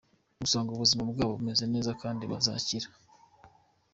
Gusa ngo ubuzima bwabo bumeze neza kandi bazakira.